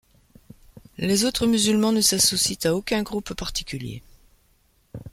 Les autres musulmans ne s'associent à aucun groupe particulier.